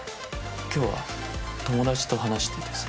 今日は友達と話しててさ。